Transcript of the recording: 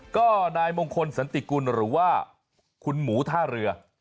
ก็นายมงคลสันติกุลหรือว่าคุณหมูท่าเรือ